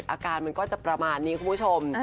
อาการมันก็จะประมาณนี้คุณผู้ชม